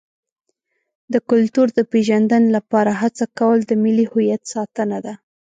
د کلتور د پیژندنې لپاره هڅه کول د ملي هویت ساتنه ده.